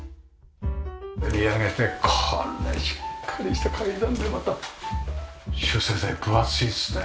見上げてこんなにしっかりした階段でまた集成材分厚いですね。